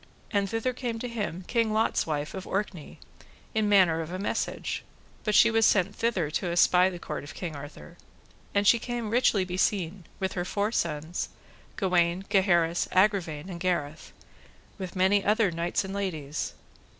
And thither came to him, King Lot's wife, of Orkney, in manner of a message, but she was sent thither to espy the court of King Arthur; and she came richly beseen, with her four sons, Gawaine, Gaheris, Agravine, and Gareth, with many other knights and ladies.